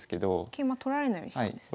桂馬取られないようにしたんですね。